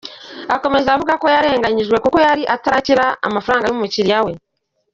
Akomeza avuga ko yarenganyijwe kuko yari atarakira amafaranga y’umukiriya we.